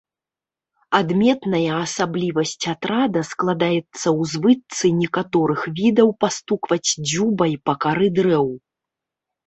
Адметная асаблівасць атрада складаецца ў звычцы некаторых відаў пастукваць дзюбай па кары дрэў.